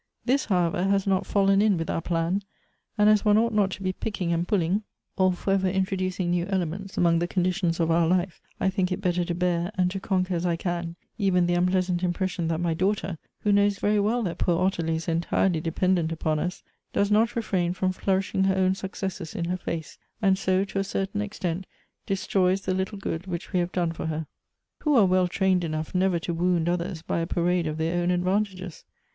" This, however, has not fallen in with our plan, and as one ought not to be picking and pulling, or for ever intro ducing new elements among the conditions of our life, I think it better to bear, and to conquer as I can, even the unpleasant impression that my daughter who knows very well that poor Ottilie is entirely dependent upon us, does not refrain from flourishing her own successes in her fice, and so, to a certain extent, destroys the little good which we have done for her. Who are well trained enough never to wound others by a parade of their own advan tages